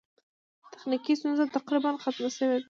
تخنیکي ستونزې تقریباً ختمې شوې.